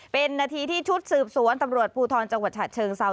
เป็นนาทีที่ชุดสืบสวนตำรวจภูทรจังหวัดฉะเชิงเซา